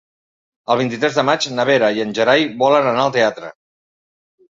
El vint-i-tres de maig na Vera i en Gerai volen anar al teatre.